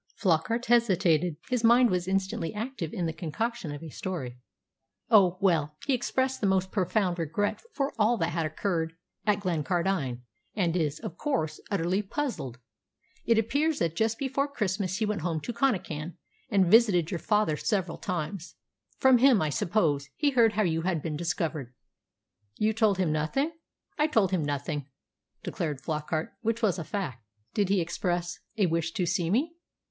Flockart hesitated. His mind was instantly active in the concoction of a story. "Oh, well he expressed the most profound regret for all that had occurred at Glencardine, and is, of course, utterly puzzled. It appears that just before Christmas he went home to Connachan and visited your father several times. From him, I suppose, he heard how you had been discovered." "You told him nothing?" "I told him nothing," declared Flockart which was a fact. "Did he express a wish to see me?"